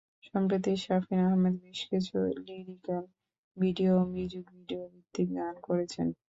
সম্প্রতি শাফিন আহমেদ বেশ কিছু লিরিক্যাল ভিডিও ও মিউজিক ভিডিওভিত্তিক গান করেছেন।